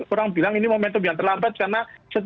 orang bilang ini momentum yang terlambat karena